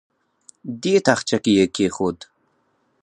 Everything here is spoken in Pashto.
دې تاخچه کې یې کېښود.